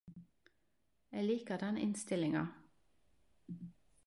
Eg likar den innstillinga.